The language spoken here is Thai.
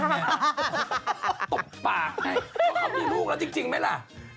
นั่นแหละตบปากให้เขามีลูกแล้วจริงไหมล่ะ